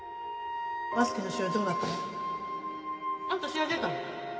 バスケの試合どうだったの？あんた試合出たの？